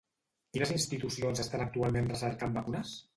Quines institucions estan actualment recercant vacunes?